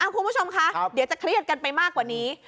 คุณผู้ชมคะเดี๋ยวจะเครียดกันไปมากกว่านี้